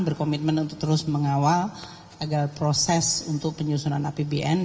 berkomitmen untuk terus mengawal agar proses untuk penyusunan apbn